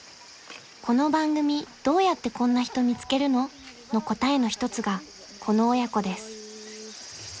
［「この番組どうやってこんな人見つけるの？」の答えの一つがこの親子です］